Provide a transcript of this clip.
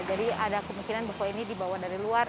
jadi ada kemungkinan bahwa ini dibawa dari luar